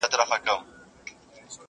• زه به څرنګه د دوی په دام کي لوېږم..